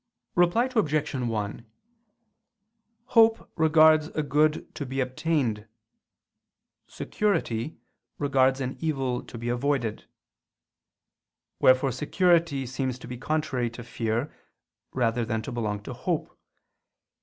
Reply Obj. 1: Hope regards a good to be obtained; security regards an evil to be avoided. Wherefore security seems to be contrary to fear rather than to belong to hope.